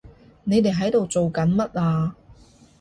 你哋喺度做緊乜啊？